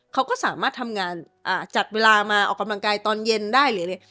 เขาก็สามารถทำงานจัดเวลามาออกกำลังกายตอนเย็นได้หรืออะไร